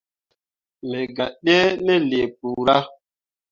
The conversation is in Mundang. Me gah ɗǝǝne lii kpura.